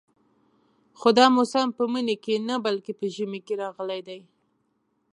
خو دا موسم په مني کې نه بلکې په ژمي کې راغلی دی.